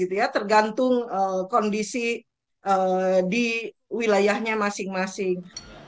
tergantung kondisi di wilayahnya masing masing